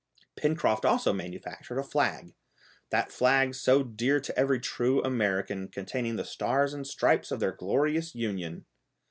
Pencroft also manufactured a flag, that flag so dear to every true American, containing the stars and stripes of their glorious Union.